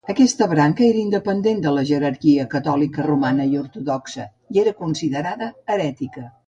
Aquesta branca era independent de les jerarquies catòlica romana i ortodoxa, i era considerada herètica.